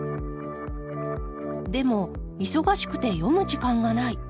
でも忙しくて読む時間がない。